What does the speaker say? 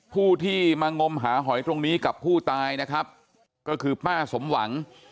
ผู้ที่มางมหาหอยตรงนี้กับผู้ตายนะครับก็คือป้าสมหวัง